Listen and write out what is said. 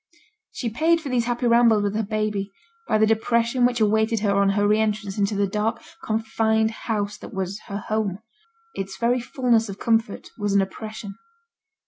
She paid for these happy rambles with her baby by the depression which awaited her on her re entrance into the dark, confined house that was her home; its very fulness of comfort was an oppression.